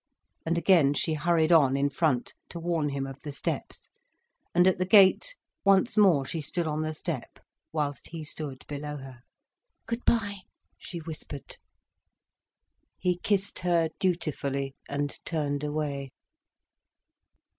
And again she hurried on in front, to warn him of the steps. And at the gate, once more she stood on the step whilst he stood below her. "Good bye," she whispered. He kissed her dutifully, and turned away.